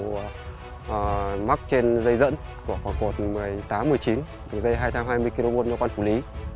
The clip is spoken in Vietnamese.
rìu mắc trên dây dẫn của khoảng cột một mươi tám một mươi chín dây hai trăm hai mươi km cho quan phủ lý